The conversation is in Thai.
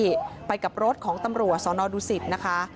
ไปกับเจ้าหน้าที่ไปกับรถของตำรวจสอนอดูศิษฐ์นะคะ